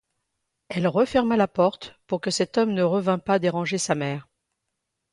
Elle referma la porte, pour que cet homme ne revînt pas déranger sa mère.